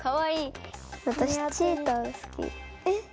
えっ？